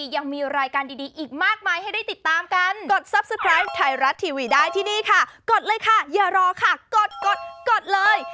อย่ารอค่ะกดกดเลย